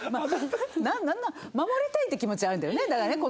守りたいっていう気持ちはあるんだよねだからね。